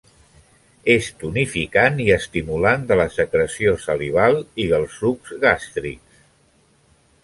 És tonificant i estimulant de la secreció salival i dels sucs gàstrics.